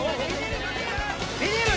・ビニール！